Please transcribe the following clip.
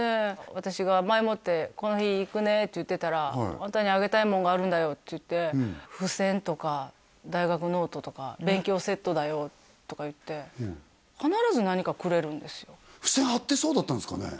私が前もってこの日行くねっていってたらあんたにあげたいもんがあるんだよっつって付箋とか大学ノートとか「勉強セットだよ」とかいって付箋貼ってそうだったんですかね？